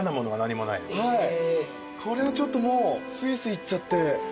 これはちょっともうすいすいいっちゃって。